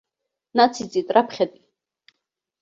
Нациҵеит раԥхьатәи.